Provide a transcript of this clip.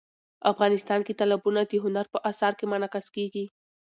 افغانستان کې تالابونه د هنر په اثار کې منعکس کېږي.